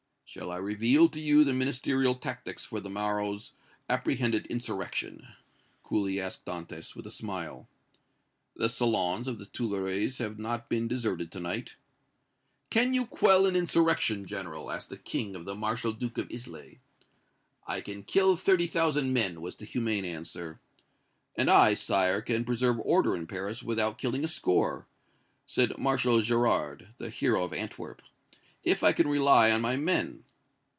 "Shall I reveal to you the Ministerial tactics for the morrow's apprehended insurrection?" coolly asked Dantès, with a smile. "The salons of the Tuileries have not been deserted to night. 'Can you quell an insurrection, General?' asked the King of the Marshal Duke of Islay. 'I can kill thirty thousand men,' was the humane answer. 'And I, sire, can preserve order in Paris without killing a score,' said Marshal Gérard, the hero of Antwerp, 'if I can rely on my men.'